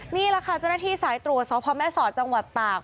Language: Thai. นี่แหละค่ะจนที่สายตรวจสอบพระแม่ศอดจังหวัดตาก